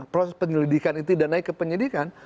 proses penyelidikan ini tidak naik ke penyelidikan